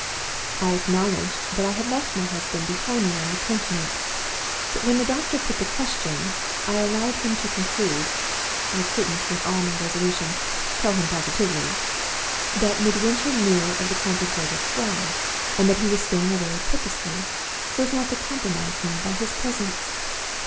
I acknowledged that I had left my husband behind me on the Continent; but when the doctor put the question, I allowed him to conclude I couldn't, with all my resolution, tell him positively! that Midwinter knew of the contemplated Fraud, and that he was staying away purposely, so as not to compromise me by his presence.